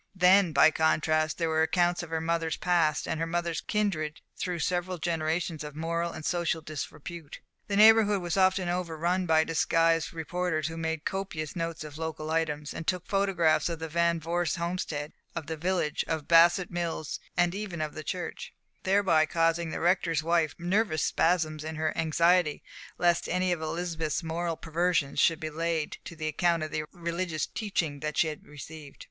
Then, by contrast, there were accounts of her mother's past and her mother's kindred through several generations of moral and social disrepute. The Neighborhood was overrun by disguised reporters who made copious notes of local items, and took photographs of the Van Vorst Homestead, of the village, of Bassett Mills and even of the church thereby causing the Rector's wife nervous spasms in her anxiety lest any of Elizabeth's moral perversions should be laid to the account of the religious teaching that she had received.